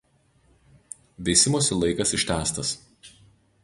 Veisimosi laikas ištęstas.